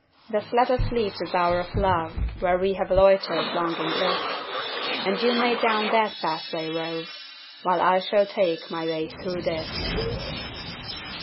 Thus let us leave the bower of love, Where we have loitered long in bliss; And you may down that pathway rove, While I shall take my way through this.